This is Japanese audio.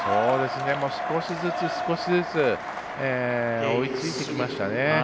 少しずつ追いついてきましたね。